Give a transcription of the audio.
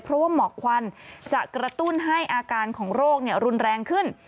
เพราะว่าหมอกควันจะกระตุ้นให้อาการของโรครุนแรงขึ้น